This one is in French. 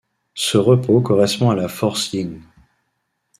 Ce repos correspond à la force Yin.